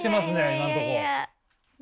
今のとこ。